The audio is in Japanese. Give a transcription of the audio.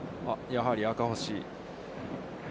やはり赤星。